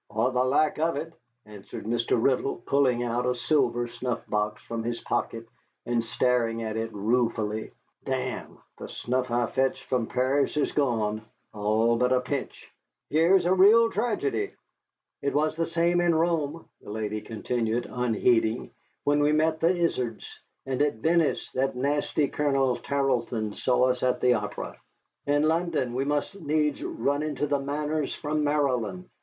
"Or the lack of it," answered Mr. Riddle, pulling out a silver snuff box from his pocket and staring at it ruefully. "Damme, the snuff I fetched from Paris is gone, all but a pinch. Here is a real tragedy." "It was the same in Rome," the lady continued, unheeding, "when we met the Izards, and at Venice that nasty Colonel Tarleton saw us at the opera. In London we must needs run into the Manners from Maryland.